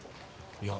いや。